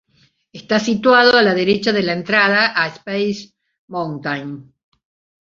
Está situado a la derecha de la entrada a Space Mountain.